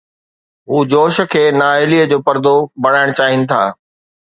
هو جوش کي نااهليءَ جو پردو بڻائڻ چاهين ٿا.